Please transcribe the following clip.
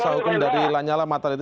selamat sore pak sumarso